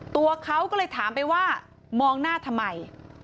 ตัวเขาก็เลยถามไปว่ามองหน้าทำไม